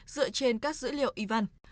dựa trên các dữ liệu yvan